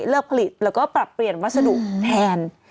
ผลิตแล้วก็ปรับเปลี่ยนวัสดุแทน